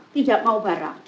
tidak mau barang